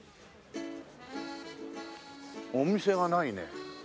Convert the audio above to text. お店がないね。